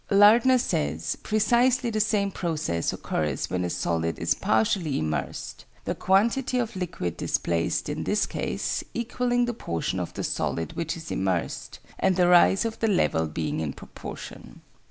Lardner says, precisely the same process occurs when a solid is partially immersed: the quantity of liquid displaced, in this case, equalling the portion of the solid which is immersed, and the rise of the level being in proportion.